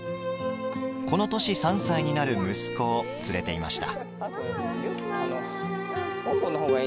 この年３歳になる息子を連れていました。